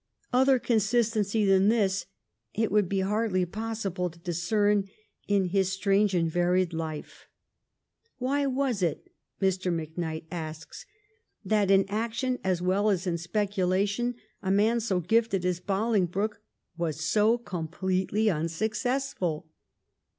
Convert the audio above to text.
Other consistency than this it would be hardly possible to discern in his strange and varied life. ' Why was it,' Mr. Macknight asks, ' that, in action as well as in speculation, a man so gifted as Bolingbroke was so completely unsuccessful